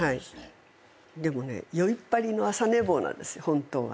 でもね宵っ張りの朝寝坊なんです本当は。